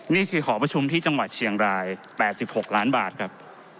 นี่คือหอประชุมที่จังหวัดเชียงราย๘๖ล้านบาทครับ